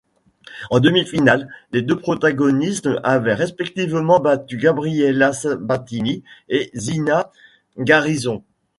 En demi-finale, les deux protagonistes avaient respectivement battu Gabriela Sabatini et Zina Garrison.